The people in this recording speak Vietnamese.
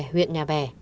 huyện nhà bè